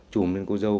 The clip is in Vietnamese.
chùm lên cô dâu